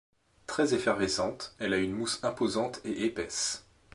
Très effervescente, elle a une mousse imposante et épaisse.